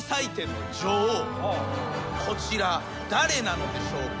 こちら誰なのでしょうか？